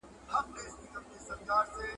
زه بايد سينه سپين وکړم!.